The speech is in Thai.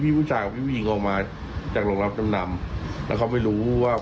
แล้วจำได้ไหมว่าฟาดไปกี่ทั้ง